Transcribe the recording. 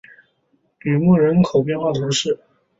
吕莫人口变化图示